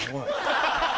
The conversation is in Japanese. ハハハ！